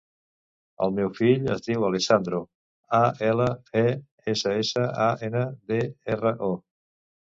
El meu fill es diu Alessandro: a, ela, e, essa, essa, a, ena, de, erra, o.